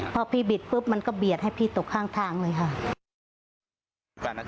พอพี่บิดปุ๊บมันก็เบียดให้พี่ตกข้างทางเลยค่ะ